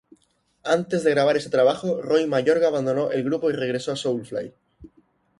Antes de grabar ese trabajo, Roy Mayorga abandonó el grupo y regresó a Soulfly.